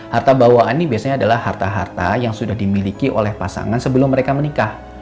harta bawaan ini biasanya adalah harta harta yang sudah dimiliki oleh pasangan sebelum mereka menikah